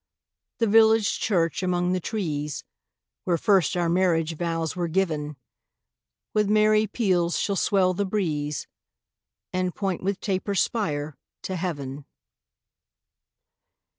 The village church, among the trees, Where first our marriage vows were giv'n, With merry peals shall swell the breeze, And point with taper spire to heav'n.